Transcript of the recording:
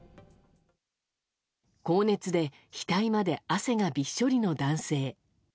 高熱で額まで汗がびっしょりの男性。